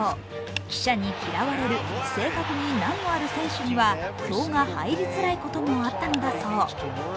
記者に嫌われる正確に難のある選手には票が入りづらいこともあったのだそう。